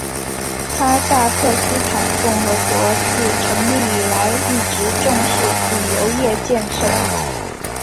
哈萨克斯坦共和国自成立以来一直重视旅游业建设。